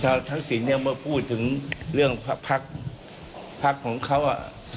เจ้าทักษิณยังไม่พูดถึงเรื่องพักของเขาอ่ะ